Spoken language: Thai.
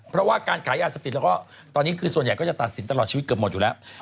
เพราะว่าการขายยาเสพติดแล้วก็ตอนนี้คือส่วนใหญ่ก็จะตัดสินตลอดชีวิตเกือบหมดอยู่แล้ว